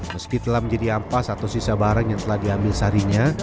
meski telah menjadi ampas atau sisa barang yang telah diambil sarinya